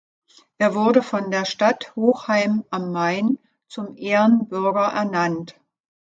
Er wurde von der Stadt Hochheim am Main zum Ehrenbürger ernannt.